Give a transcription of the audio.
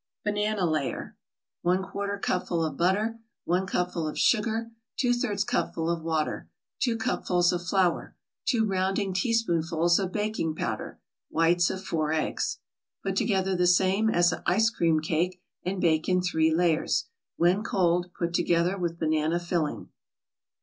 BANANA LAYER 1/4 cupful of butter 1 cupful of sugar 2/3 cupful of water 2 cupfuls of flour 2 rounding teaspoonfuls of baking powder Whites of four eggs Put together the same as Ice Cream Cake, and bake in three layers. When cold, put together with Banana Filling.